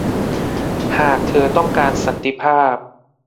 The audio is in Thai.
หากเธอต้องการสันติภาพ